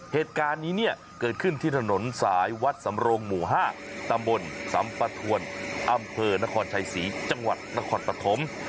เหตุการณ์นี้เนี่ยเกิดขึ้นที่ถนนสายวัดสำรงหมู่๕ตำบลสัมปะทวนอำเภอนครชัยศรีจังหวัดนครปฐม